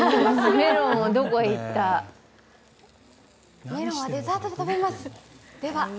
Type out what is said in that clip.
メロンはデザートで食べます。